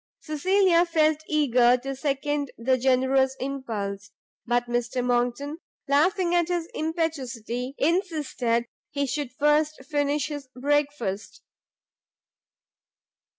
Cecilia felt eager to second the generous impulse; but Mr Monckton, laughing at his impetuosity, insisted he should first finish his breakfast.